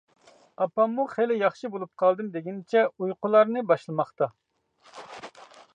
ئاپاممۇ خېلى ياخشى بولۇپ قالدىم دېگىنىچە ئۇيقۇلارنى باشلىماقتا.